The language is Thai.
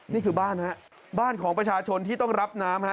นี่คือบ้านฮะบ้านของประชาชนที่ต้องรับน้ำฮะ